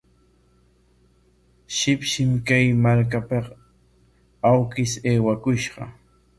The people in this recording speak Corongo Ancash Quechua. Shipshim kay markapik awkish aywakushqa.